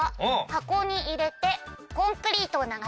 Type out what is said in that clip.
「箱に入れてコンクリートを流し込む」。